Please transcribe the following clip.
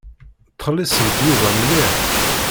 Ttxelliṣent Yuba mliḥ.